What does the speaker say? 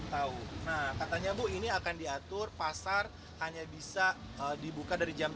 tahu nah katanya bu ini akan diatur pasar hanya bisa dibuka dari jam dua